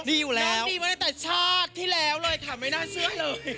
ดีอยู่แล้วนั่นดีมาตั้งแต่ชาติที่แล้วเลยค่ะไม่น่าเชื่อเลย